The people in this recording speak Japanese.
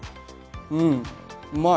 うんうまい！